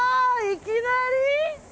いきなり？